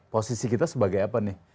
posisi kita sebagai apa nih